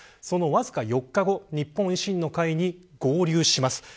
そのわずか４日後日本維新の会に合流します。